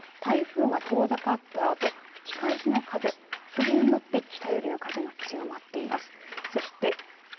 というのも台風が遠ざかった吹き返しの風がそれによって北寄りの風が強まっています。